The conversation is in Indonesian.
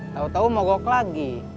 tau tau mogok lagi